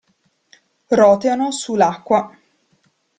Roteano su l'acqua.